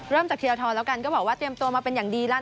จากธีรทรแล้วกันก็บอกว่าเตรียมตัวมาเป็นอย่างดีแล้ว